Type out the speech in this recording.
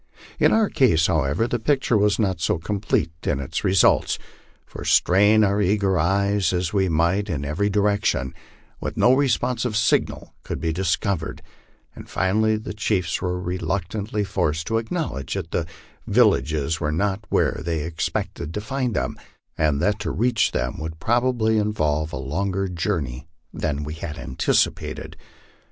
In our case, however, the picture was not so complete in its results. For strain our eager eyes as we might in every di rection, no responsive signal could be discovered, and finally the chiefs were reluctantly forced to acknowledge that the villages were not where they ex pected to find them, and that to reach them would probably involve a longer journey than we had anticipated.